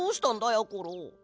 やころ。